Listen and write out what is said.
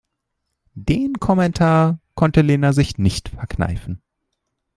Den Kommentar konnte Lena sich nicht verkneifen.